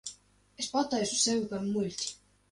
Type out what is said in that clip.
Es pataisu sevi par muļķi.